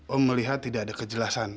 oh melihat tidak ada kejelasan